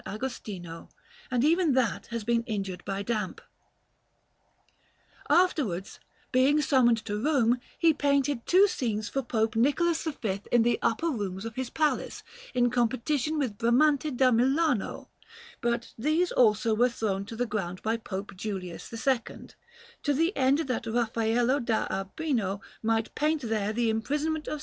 Agostino; and even that has been injured by damp. Afterwards, being summoned to Rome, he painted two scenes for Pope Nicholas V in the upper rooms of his palace, in competition with Bramante da Milano; but these also were thrown to the ground by Pope Julius II to the end that Raffaello da Urbino might paint there the Imprisonment of S.